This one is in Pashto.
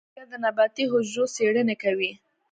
اگه د نباتي حجرو څېړنې کوي.